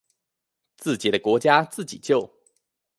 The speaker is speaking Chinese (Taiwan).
自己的國家自己救